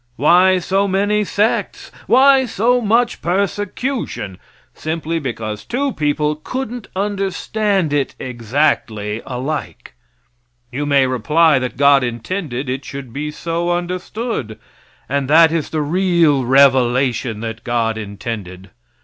Why so many sects? Why so much persecution? Simply because two people couldn't understand it exactly alike. You may reply that God intended it should be so understood, and that is the real revelation that God intended.